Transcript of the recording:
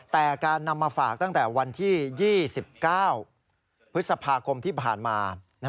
แต่การนำมาฝากตั้งแต่วันที่๒๙พฤษภาคมที่ผ่านมา